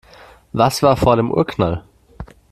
Was war vor dem Urknall?